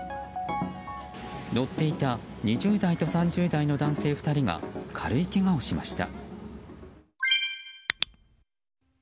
乗っていた２０代と３０代の男性２人が軽いけがをしました。